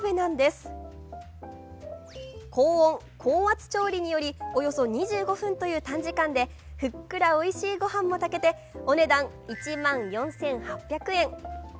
高温・高圧調理によりおよそ２５分という短時間でふっくらおいしいご飯も炊けてお値段１万４８００円。